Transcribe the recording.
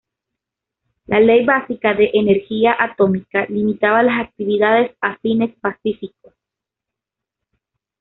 La Ley Básica de Energía Atómica limitaba las actividades a fines pacíficos.